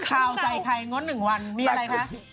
เอ้านี่เนี๊ยเรียเดี๋ยว